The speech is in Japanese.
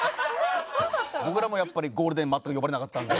僕らもやっぱりゴールデン全く呼ばれなかったんで。